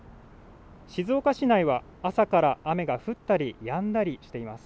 静岡市内は朝から雨が降ったりやんだりしています。